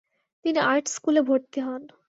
তিনি আর্ট্ স্কুলে ভর্তি হন।